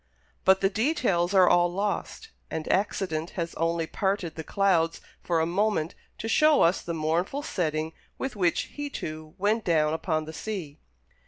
But the details are all lost, and accident has only parted the clouds for a moment to show us the mournful setting with which he, too, went down upon the sea.